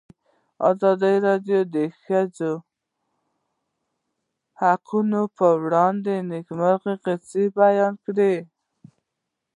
ازادي راډیو د د ښځو حقونه په اړه د نېکمرغۍ کیسې بیان کړې.